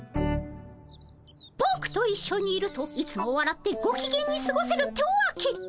ぼくと一緒にいるといつもわらってごきげんにすごせるってわけ。